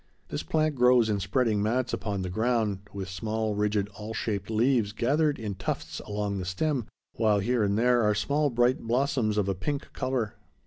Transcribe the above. This plant grows in spreading mats upon the ground, with small, rigid, awl shaped leaves gathered in tufts along the stem, while here and there are small bright blossoms of a pink color.